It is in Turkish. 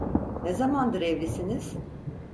Ne zamandır evlisiniz?